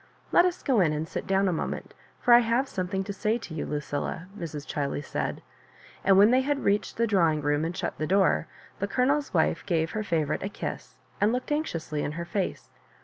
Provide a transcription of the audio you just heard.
" Let us go in and at down a moment, for I have something to say to you, Lucilla," Mrs. Chiley said; and when they had reached the drawing room and shut the door, the Colonel's wife gaye her favourite a kiss, and looked anx iously in her fece.